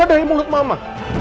keluar dari mulut mama